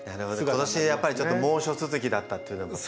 今年はやっぱりちょっと猛暑続きだったっていうのがまた。